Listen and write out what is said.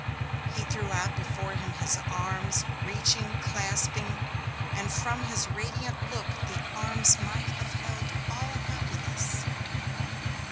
He threw out before him his arms, reaching, clasping, and from his radiant look the arms might have held all happiness.